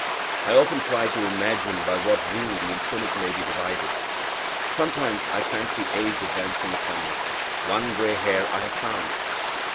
I often try to imagine by what rule the infinite may be divided. Sometimes I fancy age advancing upon me. One grey hair I have found.